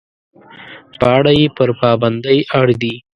په اړه یې پر پابندۍ اړ دي.